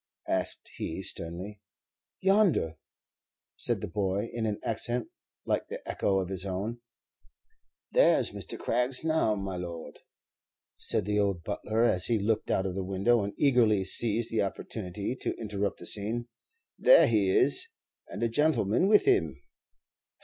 asked he, sternly. "Yonder," said the boy, in an accent like the echo of his own. "There's Mr. Craggs, now, my lord," said the old butler, as he looked out of the window, and eagerly seized the opportunity to interrupt the scene; "there he is, and a gentleman with him."